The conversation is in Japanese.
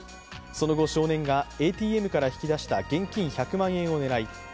その後、少年がＡＴＭから引き出した現金１００万円を狙い